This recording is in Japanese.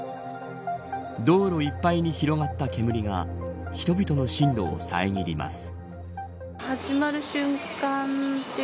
道路いっぱいに広がった煙が人々の進路を遮ります。